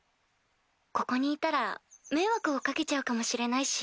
ここにいたら迷惑を掛けちゃうかもしれないし。